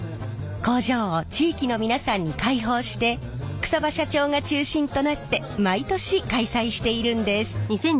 工場を地域の皆さんに開放して草場社長が中心となって毎年開催しているんです。